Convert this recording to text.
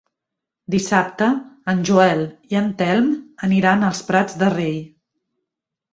Dissabte en Joel i en Telm aniran als Prats de Rei.